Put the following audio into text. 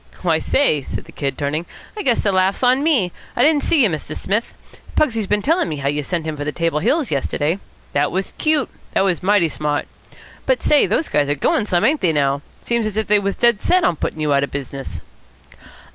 "Why, say," said the Kid, turning, "I guess the laugh's on me. I didn't see you, Mr. Smith. Pugsy's been tellin' me how you sent him for the Table Hills yesterday. That was cute. It was mighty smart. But say, those guys are goin' some, ain't they now! Seems as if they was dead set on puttin' you out of business."